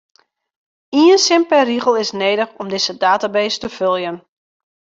Ien sin per rigel is nedich om dizze database te foljen.